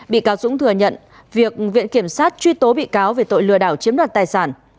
bị cáo dũng thừa nhận việc viện kiểm sát truy tố bị cáo về tội lừa đảo chiếm đoạt tài sản